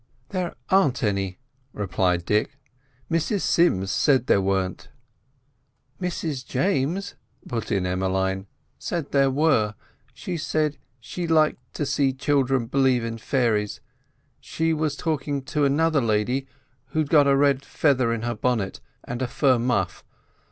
"There aren't any," replied Dick. "Mrs Sims said there weren't." "Mrs James," put in Emmeline, "said there were. She said she liked to see children b'lieve in fairies. She was talking to another lady, who'd got a red feather in her bonnet, and a fur muff.